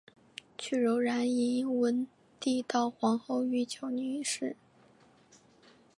去柔然迎文帝悼皇后郁久闾氏。